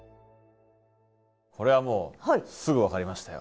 これはもうすぐ分かりましたよ。